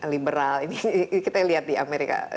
liberal ini kita lihat di amerika